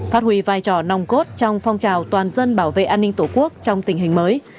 phát huy vai trò nòng cốt trong phong trào toàn dân bảo vệ an ninh tổ quốc trong tình hình mới